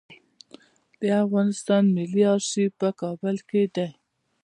د افغانستان ملي آرشیف په کابل کې دی